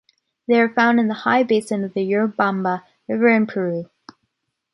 They are found in the high basin of Urubamba River, in Peru.